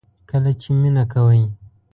کله چې مینه کوئ